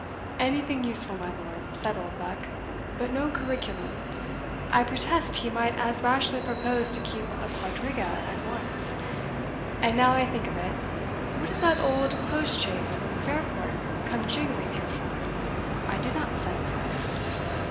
"Anything useful, my lord," said Oldbuck, "but no curriculum I protest he might as rationally propose to keep a quadriga at once And now I think of it, what is that old post chaise from Fairport come jingling here for? I did not send for it."